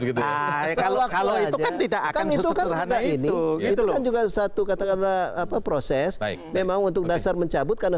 gitu kalau itu kan tidak kan itu kan juga satu kata kata apa proses memang untuk dasar mencabut karena